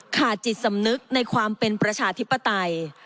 ขาดจิตสำนึกในความเป็นประชาธิปไตย